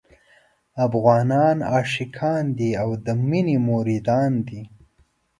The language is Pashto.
افغانان عاشقان دي او د مينې مريدان دي.